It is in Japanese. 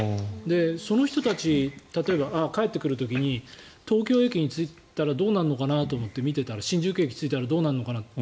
その人たち、例えば帰ってくる時に東京駅に着いたらどうなるのかなと思って見てたら新宿駅に着いたらどうなるのかなって。